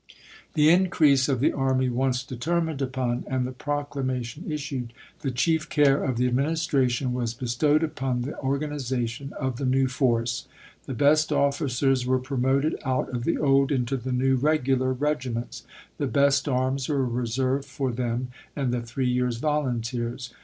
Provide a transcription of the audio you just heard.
The increase of the army once determined upon, and the proclamation issued, the chief care of the CIVIL WAR 259 Administration was bestowed upon the organiza chap.xiv. tion of the new force. The best officers were promoted out of the old into the new "regular" regiments; the best arms were reserved for them and the three years' volunteers.